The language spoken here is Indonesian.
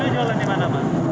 buna jualannya mana pak